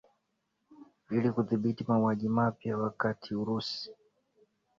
ili kudhibiti mauaji mapya wakati urusi